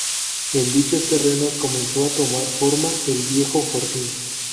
En dichos terrenos comenzó a tomar forma el viejo Fortín.